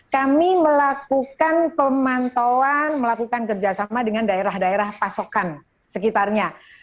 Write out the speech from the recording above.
kami melakukan pemantauan melakukan kerjasama dengan daerah daerah pasokan sekitarnya